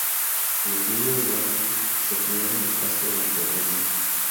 Los niños Vann se criaron casi en la pobreza.